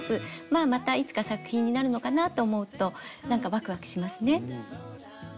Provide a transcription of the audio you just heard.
まあまたいつか作品になるのかなぁと思うとなんかワクワクしますね。